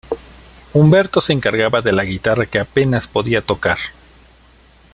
Humberto se encargaba de la guitarra que apenas podía tocar.